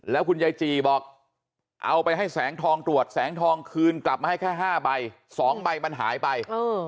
แล้วคุณยายจีบอกเอาไปให้แสงทองตรวจแสงทองคืนกลับมาให้แค่๕ใบ๒ใบมันหายไป